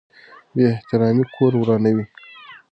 بې احترامي کور ورانوي.